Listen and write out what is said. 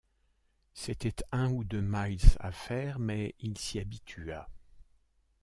C’étaient un ou deux milles à faire, mais il s’y habitua.